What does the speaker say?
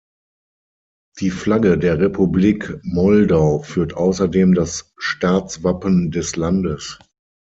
Die Flagge der Republik Moldau führt außerdem das Staatswappen des Landes.